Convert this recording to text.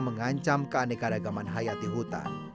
mengancam keanekaragaman hayati hutan